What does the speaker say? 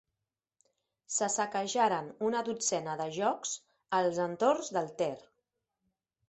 Se saquejaren una dotzena de llocs als entorns del Ter.